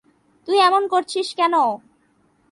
তুই এমন করছিস কেনো?